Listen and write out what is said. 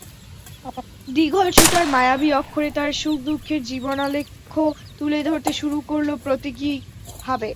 দীঘল সুতার মায়াবী অক্ষরে তার সুখ-দুঃখের জীবনালেখ্য তুলে ধরতে শুরু করল প্রতীকীভাবে।